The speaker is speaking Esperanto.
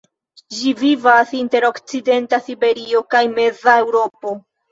Ĝi vivas inter okcidenta Siberio kaj meza Eŭropo.